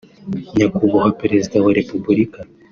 « Nyakubahwa Perezida wa Repubulika